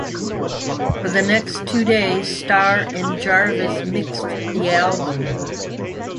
For the next two days, Starr and Jarvis mixed the album.